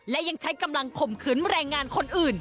และยังใช้กำลังข่มขืนแรงงานคนอื่น